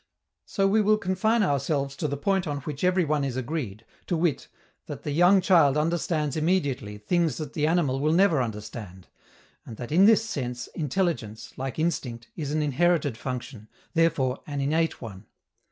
So we will confine ourselves to the point on which every one is agreed, to wit, that the young child understands immediately things that the animal will never understand, and that in this sense intelligence, like instinct, is an inherited function, therefore an innate one.